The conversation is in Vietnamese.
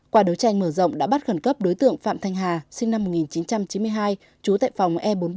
qua đấu tranh mở rộng đã bắt khẩn cấp đối tượng phạm thanh hà sinh năm một nghìn chín trăm chín mươi hai trú tại phòng e bốn mươi ba